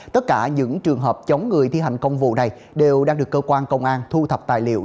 tất cả những trường hợp chống người thi hành công vụ này đều đang được cơ quan công an thu thập tài liệu